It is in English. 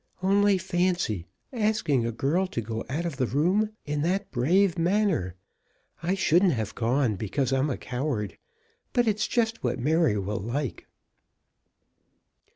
"Only fancy, asking a girl to go out of the room, in that brave manner! I shouldn't have gone because I'm a coward; but it's just what Mary will like."